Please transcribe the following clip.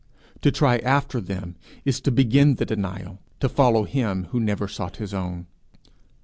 To try after them is to begin the denial, to follow him who never sought his own.